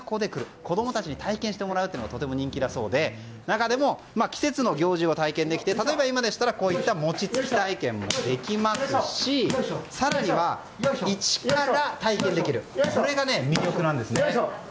子供たちに体験してもらうのがとても人気だそうで中でも、季節の行事を体験できて例えば今でしたらこういった餅つき体験もできますし更には一から体験できるこれが魅力なんですね。